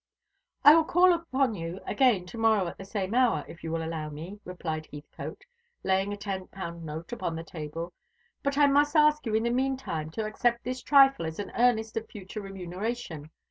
"I will call upon you again to morrow at the same hour, if you will allow me," replied Heathcote, laying a ten pound note upon the table. "But I must ask you in the mean time to accept this trifle as an earnest of future remuneration.